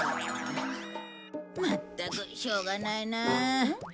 まったくしょうがないな。